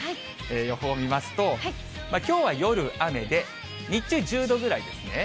予報を見ますと、きょうは夜、雨で、日中、１０度ぐらいですね。